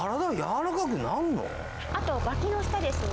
あと脇の下ですね。